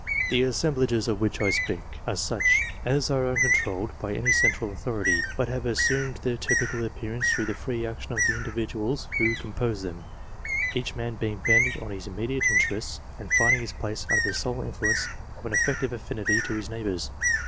The assemblages of which I speak are such as are uncontrolled by any central authority, but have assumed their typical appearance through the free action of the individuals who compose them, each man being bent on his immediate interest, and finding his place under the sole influence oan elective affinity to his neigh bours.